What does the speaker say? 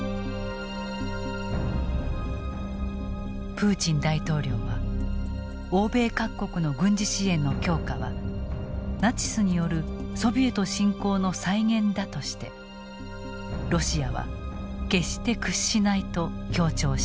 プーチン大統領は欧米各国の軍事支援の強化はナチスによるソビエト侵攻の再現だとしてロシアは決して屈しないと強調した。